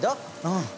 うん。